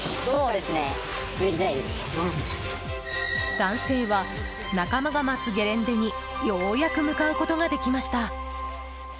男性は、仲間が待つゲレンデにようやく向かうことができました。